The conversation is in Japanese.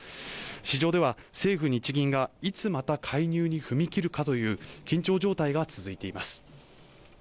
市場では政府・日銀がいつまた介入に踏み切るかという緊張状態が続いています